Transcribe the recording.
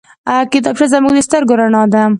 کتابچه زموږ د سترګو رڼا ده